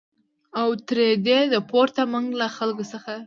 او تر دې د پورته منګ له خلکو څخه